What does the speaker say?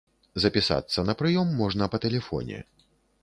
Запісацца на прыём можна па тэлефоне.